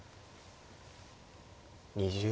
２０秒。